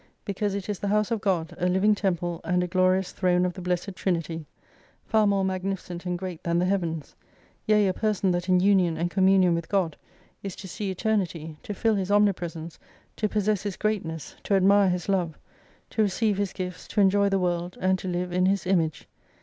Because it is the House of God, a Living Temple, and a Glorious Throne of the Blessed Trinity : far more magnificent and great than the heavens ; yea a person that in Union and Communion with God, is to see Eternity, to fill His Omnipresence, to possess His greatness, to admire His love ; to receive His gifts, to enjoy the world, and to live in His Image.